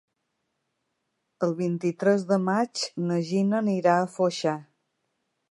El vint-i-tres de maig na Gina anirà a Foixà.